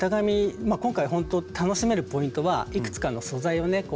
まあ今回ほんと楽しめるポイントはいくつかの素材をね